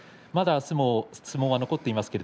あすも相撲、残っています。